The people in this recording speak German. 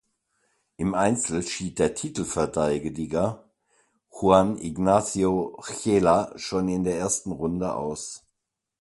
Im Einzel schied der Titelverteidiger Juan Ignacio Chela schon in der ersten Runde aus.